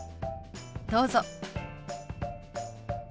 どうぞ。